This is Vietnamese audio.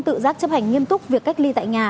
tự giác chấp hành nghiêm túc việc cách ly tại nhà